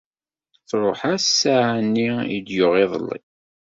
Truḥ-as ssaɛa-nni i d-yuɣ iḍelli.